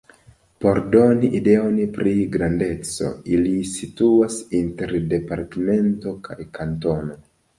Por doni ideon pri grandeco, ili situas inter departemento kaj kantono.